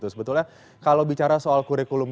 sebetulnya kalau bicara soal kurikulum